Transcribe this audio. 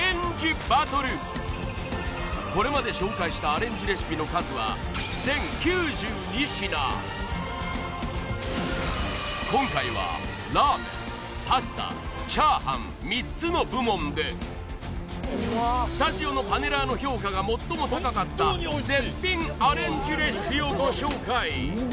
これまで紹介したアレンジレシピの数は今回はラーメンパスタチャーハン３つの部門でスタジオのパネラーの評価が最も高かった絶品アレンジレシピをご紹介！